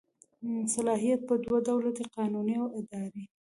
صلاحیت په دوه ډوله دی قانوني او اداري.